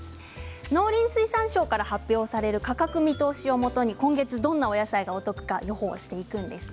農林水産省から発表される価格見通しをもとに今月どんなお野菜がお得か予報していきます。